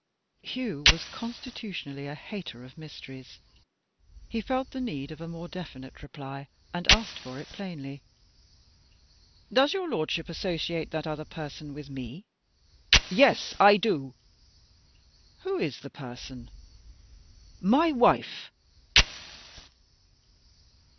Hugh was constitutionally a hater of mysteries. He felt the need of a more definite reply, and asked for it plainly: "Does your lordship associate that other person with me?" "Yes, I do." "Who is the person?" "My wife."